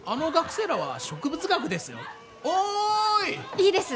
いいです！